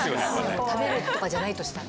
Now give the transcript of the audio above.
食べるとかじゃないとしたら。